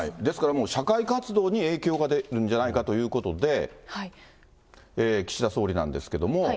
ですからもう、社会活動に影響が出るんじゃないかということで、岸田総理なんですけれども。